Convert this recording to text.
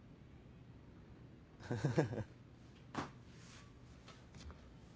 フフフ。